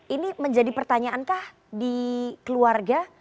ini menjadi pertanyaankah di keluarga